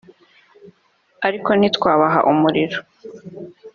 ariko ntitwabaha umuriro